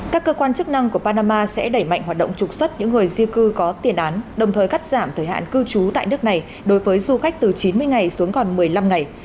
các cơ quan chức năng của panama sẽ đẩy mạnh hoạt động trục xuất những người di cư có tiền án đồng thời cắt giảm thời hạn cư trú tại nước này đối với du khách từ chín mươi ngày xuống còn một mươi năm ngày